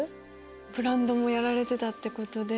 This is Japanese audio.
ブランドもやられてたってことで。